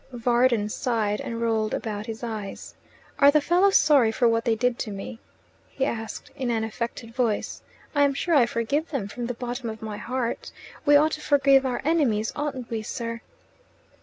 Varden sighed and rolled about his eyes. "Are the fellows sorry for what they did to me?" he asked in an affected voice. "I am sure I forgive them from the bottom of my heart. We ought to forgive our enemies, oughtn't we, sir?"